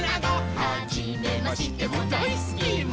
「はじめましてもだいすきも」